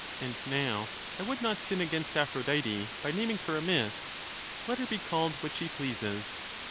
And now I would not sin against Aphrodite by naming her amiss ; let her be called what she pleases.